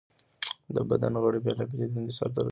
د بدن غړي بېلابېلې دندې سرته رسوي.